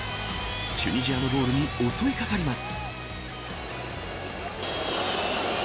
チュニジアのゴールに襲いかかります。